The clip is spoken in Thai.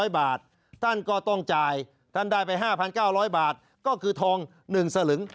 ๐บาทท่านก็ต้องจ่ายท่านได้ไป๕๙๐๐บาทก็คือทอง๑สลึง